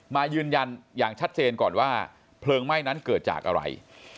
มายืนยันอย่างชัดเจนก่อนว่าเพลิงไหม้นั้นเกิดจากอะไร